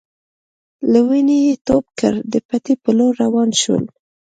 له ونې يې ټوپ کړ د پټي په لور روان شو.